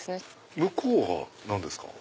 向こうは何ですか？